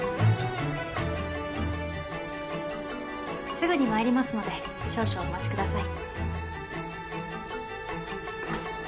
すぐに参りますので少々お待ちください。